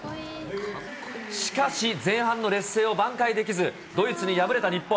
しかし前半の劣勢を挽回できず、ドイツに敗れた日本。